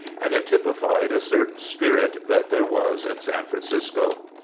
And it typified a certain spirit that there was in San Francisco.